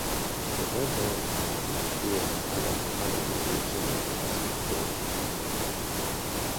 They went on to have a family with children Sue, John and Peter.